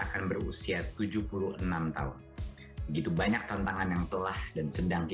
dan berhaja hati urusan yang harus error